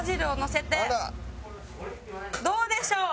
どうでしょう？